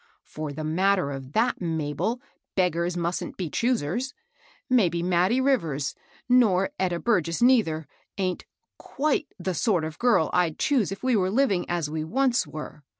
"For the matter of that, Mabel, * beggars mustn't be choosers.' Maybe Mattie Rivers, nor Etta Burgess neither, aint quite the sort of girl I'd choose if we were living as we once were.